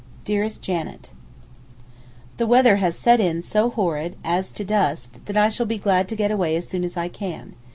DEAREST JANET, The weather has set in so horrid, as to dust, that I shall be glad to get away as soon as I can.